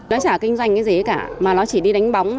nó chả kinh doanh cái gì hết cả mà nó chỉ đi đánh bóng